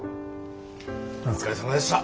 お疲れさまでした。